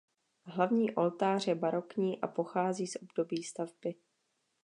Hlavní oltář je barokní a pochází z období stavby.